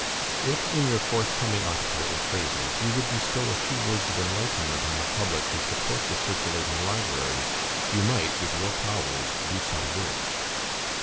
If, in your forthcoming article in Frazer, you would bestow a few words of enlightenment on the public who support the circulating libraries, you might, with your powers, do some good.